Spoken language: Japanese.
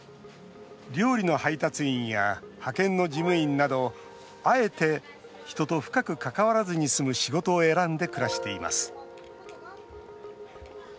料理の配達員や派遣の事務員などあえて、人と深く関わらずに済む仕事を選んで暮らしています。